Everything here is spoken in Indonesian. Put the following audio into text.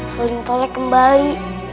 suling tolek kembali